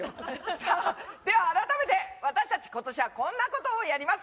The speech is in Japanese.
さあ、では改めて、私たち、ことしはこんなことをやります。